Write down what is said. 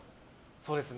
そうですね。